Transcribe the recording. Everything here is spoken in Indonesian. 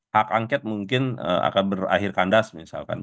hak angket mungkin akan berakhir kandas misalkan